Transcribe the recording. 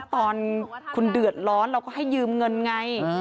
ตอนคุณเดือดร้อนเราก็ให้ยืมเงินไง